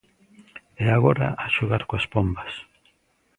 E agora, a xogar coas pombas...